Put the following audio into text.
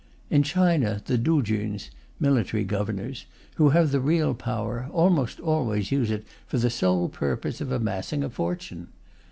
In China, the tuchuns (military governors), who have the real power, almost always use it for the sole purpose of amassing a fortune.